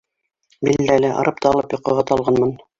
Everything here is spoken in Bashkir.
Билдәле, арып-талып йоҡоға талғанмын.